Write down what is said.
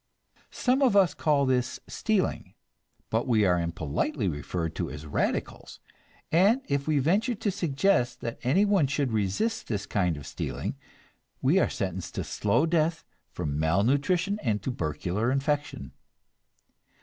Some of us call this stealing, but we are impolitely referred to as "radicals," and if we venture to suggest that anyone should resist this kind of stealing, we are sentenced to slow death from malnutrition and tubercular infection.